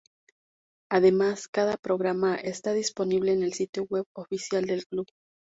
Además cada programa está disponible en el Sitio Web Oficial del club.